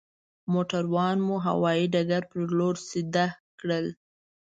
موټران مو هوايي ډګر پر لور سيده کړل.